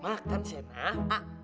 makan sena ah